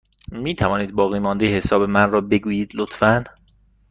می توانید باقیمانده حساب من را بگویید، لطفا؟